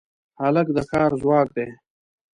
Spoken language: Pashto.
هلک د کار ځواک دی.